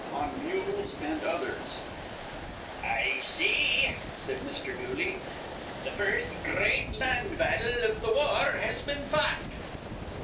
ON MULES AND OTHERS "I see," said Mr. Dooley, "th' first gr reat land battle iv th' war has been fought."